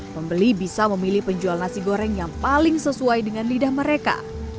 pembeli bisa memilih penjual nasi goreng yang paling sesuai dengan lidah mereka